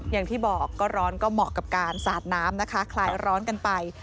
อย่างที่บอกก็ร้อนก็เหมาะกับการสาดน้ำนะคะคลายร้อนกันไป